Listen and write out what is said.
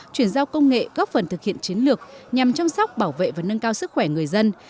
chuyển giao công nghệ góp phần thực hiện chiến lược nhằm chăm sóc bảo vệ và nâng cao sức khỏe người dân